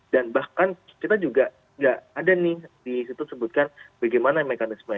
bahkan kita juga nggak ada nih di situ sebutkan bagaimana mekanismenya